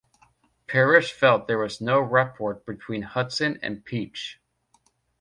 Pirosh felt there was no rapport between Hudson and Peach.